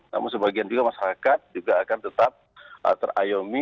namun sebagian juga masyarakat juga akan tetap terayomi